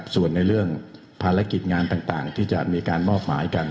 ส่วนในเรื่องภารกิจงานต่างที่จะมีการมอบหมายกัน